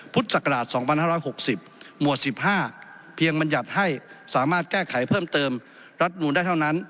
พุทธศักราช๒๕๖๐หมวด๑๕เพียงบรรยัติให้สามารถแก้ไขเพิ่มเติมรัฐนูลได้เท่านั้น